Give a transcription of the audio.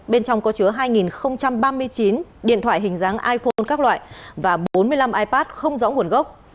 bên trong có chứa hai ba mươi chín điện thoại hình dáng iphone các loại và bốn mươi năm ipad không rõ nguồn gốc